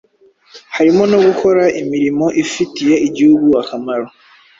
harimo no gukora imirimo ifitiye igihugu akamaro.